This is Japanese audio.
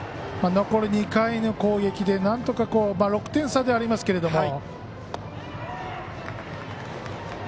残り２回の攻撃でなんとか６点差ではありますけど。